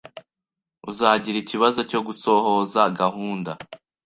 Uzagira ikibazo cyo gusohoza gahunda.